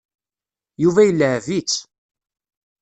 Yuba ileεεeb-itt.